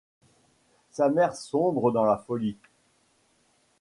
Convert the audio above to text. Sa mère sombre dans la folie.